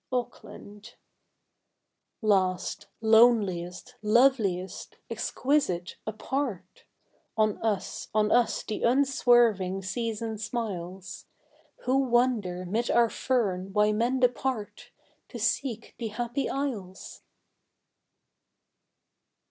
Auckland. Last, loneliest, loveliest, exquisite, apart On us, on us the unswerving season smiles, Who wonder 'mid our fern why men depart To seek the Happy Isles!